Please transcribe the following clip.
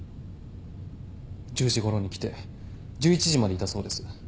１０時ごろに来て１１時までいたそうです。